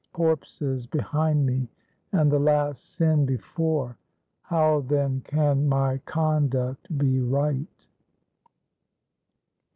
Corpses behind me, and the last sin before, how then can my conduct be right?"